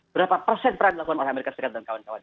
berapa persen peran dilakukan oleh amerika serikat dan kawan kawan